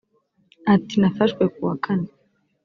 Ati “Nafashwe kuwa Kane